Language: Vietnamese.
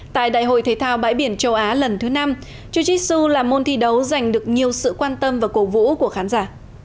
tại đại hội thế thao bãi biển châu á lần thứ năm jiu jitsu là môn thi đấu dành được nhiều sự quan tâm và cổ vũ của khán giả